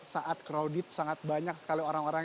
saat crowded sangat banyak sekali orang orang